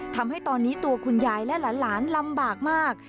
ทำให้ตอนนี้ตัวคุณยายและหลานลำบากมาก